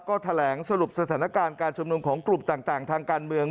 ก็แถลงสรุปสถานการณ์การชุมนุมของกลุ่มต่างทางการเมือง